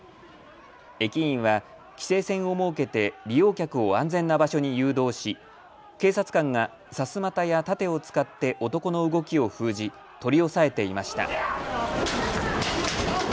駅員は規制線を設けて利用客を安全な場所に誘導し警察官が、さすまたや盾を使って男の動きを封じ取り押さえていました。